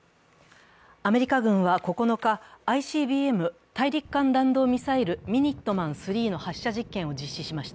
アメリカ軍は９日、ＩＣＢＭ＝大陸間弾道ミサイルミニットマン３の発射実験を実施しました。